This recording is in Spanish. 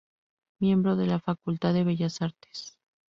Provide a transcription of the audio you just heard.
Miembro de la Facultad de Bellas Artes.